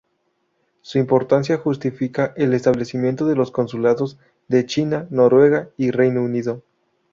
Su importancia justifica el establecimiento de los consulados de China, Noruega y Reino Unido.